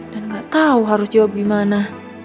dan gak tau harus jawab gimana